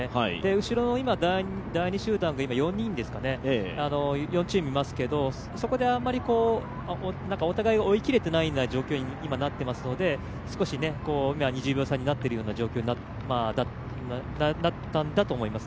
後ろの第２集団が４チームいますけどそこであまりお互いを追いきれていないような状況になっていますので、２０秒差になったんだと思います。